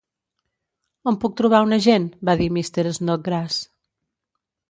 On puc trobar un agent?, va dir Mr. Snodgrass.